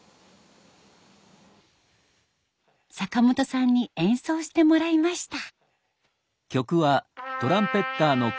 坂本さんに演奏してもらいました。